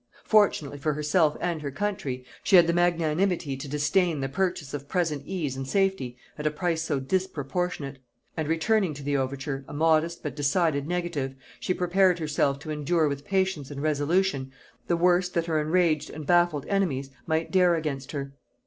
Fortunately for herself and her country, she had the magnanimity to disdain the purchase of present ease and safety at a price so disproportionate; and returning to the overture a modest but decided negative, she prepared herself to endure with patience and resolution the worst that her enraged and baffled enemies might dare against her.